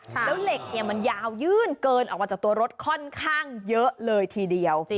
แล้วเหล็กมันยาวยื่นเกินออกมาจากตัวรถค่อนข้างเยอะเลยทีเดียว